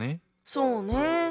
そうね。